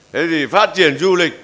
thế thì phát triển du lịch